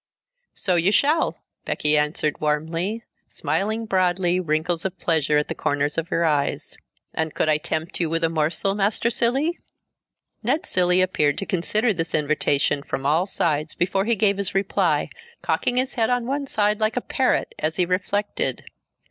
"So you shall!" Becky answered warmly, smiling broadly, wrinkles of pleasure at the corners of her eyes. "And could I tempt you with a morsel, Master Cilley?" Ned Cilley appeared to consider this invitation from all sides before he gave his reply, cocking his head on one side like a parrot as he reflected.